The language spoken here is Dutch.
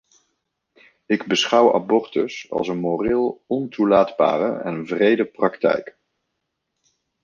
Ik beschouw abortus als een moreel ontoelaatbare en wrede praktijk.